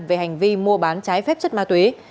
về hành vi mua bán trái phép chất ma túy